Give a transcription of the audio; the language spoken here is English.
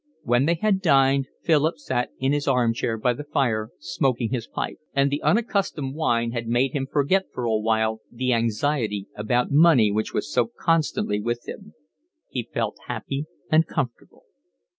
When they had dined Philip sat in his arm chair by the fire, smoking his pipe; and the unaccustomed wine had made him forget for a while the anxiety about money which was so constantly with him. He felt happy and comfortable.